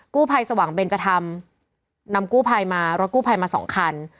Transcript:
กู้ไพสว่างเบนจธรรมนำกู้ไพมารถกู้ไพมา๒คัน